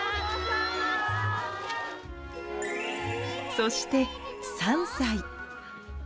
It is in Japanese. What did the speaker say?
そして３歳。